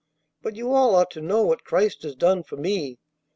But you all ought to know what Christ has done for me.